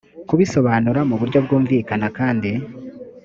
kubisobanura mu buryo bwumvikana kandi